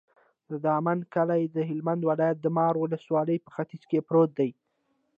د دامن کلی د هلمند ولایت، د مار ولسوالي په ختیځ کې پروت دی.